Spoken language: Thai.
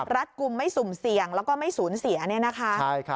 รัฐกุมไม่สุ่มเสี่ยงแล้วก็ไม่สูญเสีย